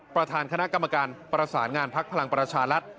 ประธานคณะกรรมการประสานงานพักพลังประชารัฐ